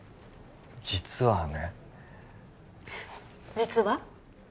実はね実は？